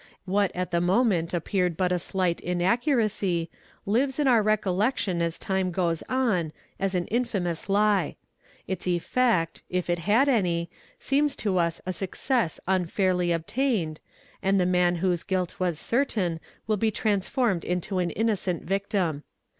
What at the moment uy peared but a slight "'inaccuracy,'' lives in our recollection as time goes on as an infamous lie; its effect, if it had any, seems to us a success unfairl: obtained, and the man whose guilt was certain will be transformed int an infiocent victim.